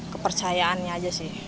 kepercayaannya aja sih